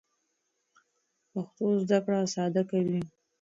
پښتو زده کړه ساده کوي.